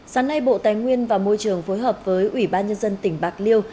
sáng nay bộ tài nguyên và môi trường phối hợp với ủy ban nhân dân tỉnh bạc liêu